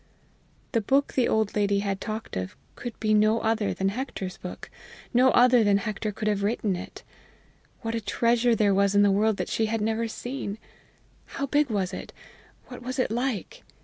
The book the old lady had talked of could be no other than Hector's book. No other than Hector could have written it. What a treasure there was in the world that she had never seen! How big was it? what was it like?